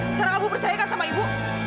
sekarang abu percayakan sama ibu